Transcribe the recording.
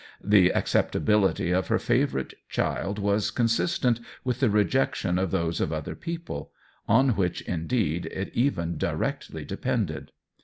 The acceptability of her favorite child was consistent with the rejection of those of other people — on which, indeed, it even directly depended.